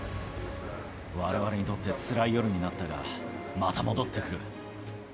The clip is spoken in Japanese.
われわれにとってつらい夜になったが、また戻ってくる。